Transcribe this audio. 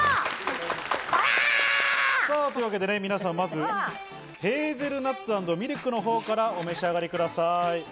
まずヘーゼルナッツ＆ミルクのほうからお召し上がりください。